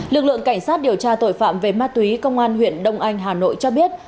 lực lượng cảnh sát điều tra tội phạm về ma túy công an huyện đông anh hà nội cho biết